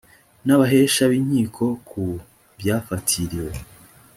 n’ abahesha b’ inkiko ku byafatiriwe